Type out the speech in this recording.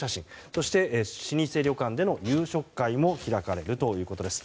そして、老舗旅館での夕食会も開かれるということです。